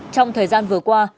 trong thời gian vừa qua